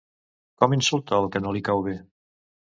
Com insulta al que no li cau bé?